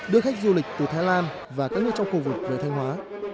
đưa khách du lịch từ thái lan và các nước trong khu vực về thanh hóa